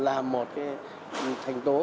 là một cái thành tố